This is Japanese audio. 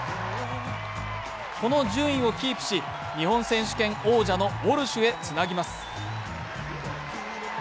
この順位をキープし、日本選手権王者のウォルシュへつなぎます。